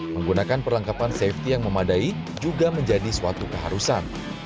menggunakan perlengkapan safety yang memadai juga menjadi suatu keharusan